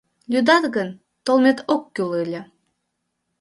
Лӱдат гын, толмет ок кӱл ыле.